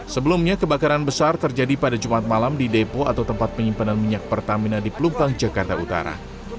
sebelumnya kebakaran besar terjadi pada jumat malam di depo atau tempat penyimpanan minyak pertamina di pelumpang jakarta utara